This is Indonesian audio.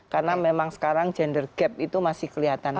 karena memang sekarang gender gap itu masih kelihatan